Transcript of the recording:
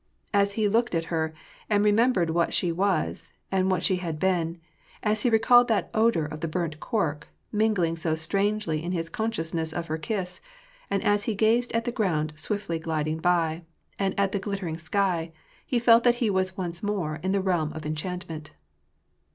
As he looked at her, and remembered what she was, and what she had been ; as he re called that odor of the burnt cork — mingling so strangely in his consciousness of her kiss ; and as he gaeed at the ground swiftly gliding by, and at the glittering sky, — he felt that he was once more in the realm of enchantment.